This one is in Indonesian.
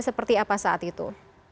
berarti apa saat itu